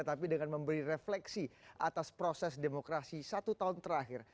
tapi dengan memberi refleksi atas proses demokrasi satu tahun terakhir